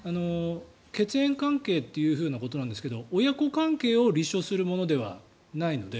血縁関係というふうなことなんですけど親子関係を立証するものではないので。